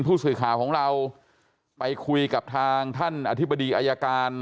ผู้สื่อข่าวของเราไปคุยกับทางท่านอธิบดีอายการ